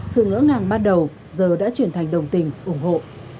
sự ngỡ ngàng ban đầu giờ đã chuyển thành đồng tình ủng hộ